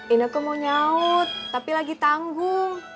ini aku mau nyaut tapi lagi tanggung